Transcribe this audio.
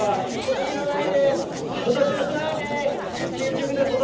「今年の苗です」。